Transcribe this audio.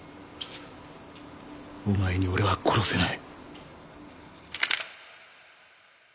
お前に俺は殺せない。